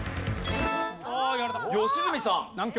良純さん。